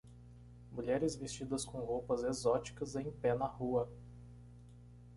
Mulheres vestidas com roupas exóticas em pé na rua